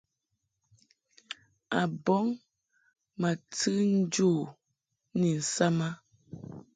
A bɔŋ ma tɨ njo u ni nsam a.